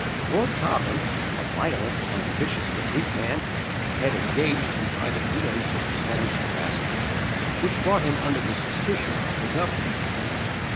Lord Cobham, a violent and ambitious but weak man, had engaged in private dealings with the Spanish ambassador, which brought him under the suspicion of the government.